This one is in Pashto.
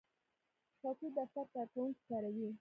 چوکۍ د دفتر کارکوونکي کاروي.